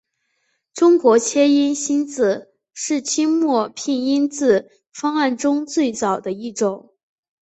中国切音新字是清末拼音字方案中最早的一种。